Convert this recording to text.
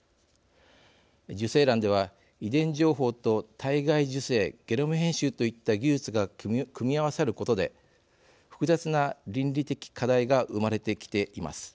受精卵では遺伝情報と体外受精ゲノム編集といった技術が組み合わさることで複雑な倫理的課題が生まれてきています。